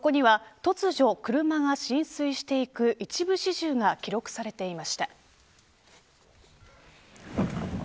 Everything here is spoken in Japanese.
そこには突如車が浸水していく一部始終が記録されていました。